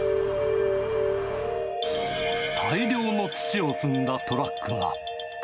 大量の土を積んだトラックが。